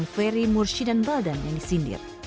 yang ferry mursi dan baldan yang disindir